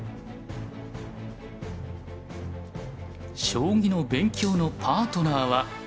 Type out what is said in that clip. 将棋の勉強のパートナーは。